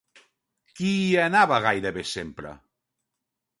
Qui hi anava gairebé sempre?